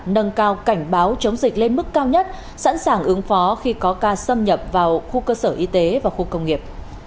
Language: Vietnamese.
nâng cao cảnh báo chống dịch lên mức cao nhất sẵn sàng ứng phó khi có ca xâm nhập vào khu cơ sở y tế và khu công nghiệp